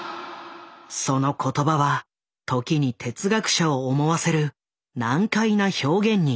その言葉は時に哲学者を思わせる難解な表現に満ちていた。